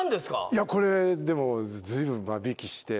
いやこれでも随分間引きして。